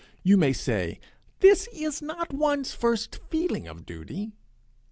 You may say this is not one's first feeling of duty.